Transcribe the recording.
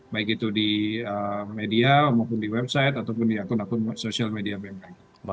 baik itu di media maupun di website ataupun di akun akun sosial media bmkg